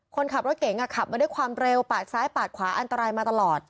คนขับรถเก๋งขับมาด้วยความเร็วปาดซ้ายปาดขวาอันตรายมาตลอด